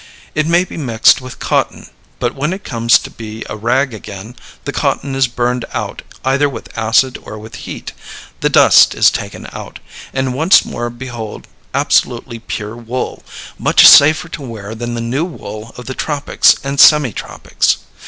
It may be mixed with cotton, but when it comes to be a rag again, the cotton is burned out either with acid or with heat, the dust is taken out, and once more behold absolutely pure wool, much safer to wear than the new wool of the tropics and semi tropics.